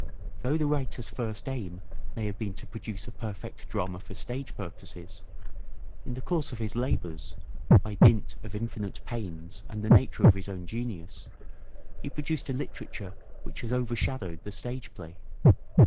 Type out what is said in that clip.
Though the writer's first aim may have been to produce a perfect drama for stage purposes, in the course of his labours, by dint of infinite pains and the nature of his own genius, he produced a literature which has overshadowed the stage play.